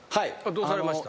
どうされました？